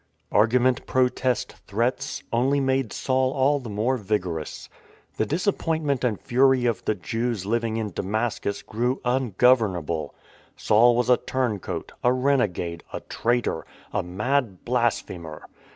" Argument, protest, threats, only made Saul all the more vigorous. The disappointment and fury of the Jews living in Damascus grew ungovernable — Saul was a turncoat, a renegade, a traitor, a mad blas phemer.